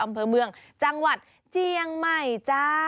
อำเภอเมืองจังหวัดเจียงใหม่จ้า